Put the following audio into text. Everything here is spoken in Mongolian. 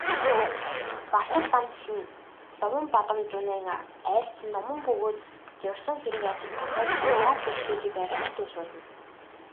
Барчидламсэл нь Ловонбадамжунайн айлдсан ном бөгөөд зорьсон хэрэг ажилд тохиолдсон саад бэрхшээлийг арилгахад уншуулна.